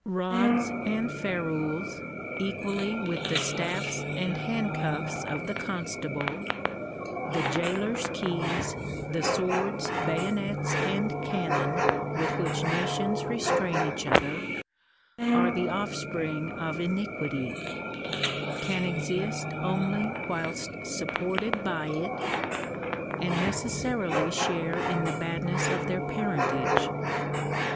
Bods and ferules, equally with the staffs and handcuffs of the constable; the gaolers keys; the swords, bayonets and cannon, with which nations restrain each other, are the offspring of iniquity — can exist only whilst supported by it, and necessarily share in the bad ness of their parentage.